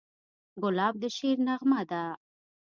ګلاب د شعر نغمه ده.